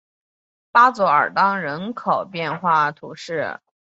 巴佐尔当人口变化图示